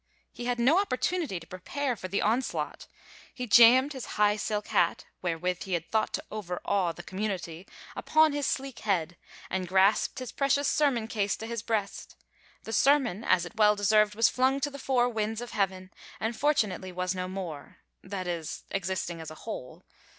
He had no opportunity to prepare for the onslaught. He jammed his high silk hat, wherewith he had thought to overawe the community, upon his sleek head, and grasped his precious sermon case to his breast; the sermon, as it well deserved, was flung to the four winds of heaven and fortunately was no more that is, existing as a whole.